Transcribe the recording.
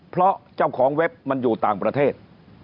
เพราะเจ้าของเว็บมันอยู่ต่างประเทศ